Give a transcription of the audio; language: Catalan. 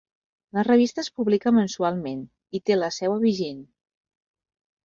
La revista es publica mensualment i té la seu a Beijing.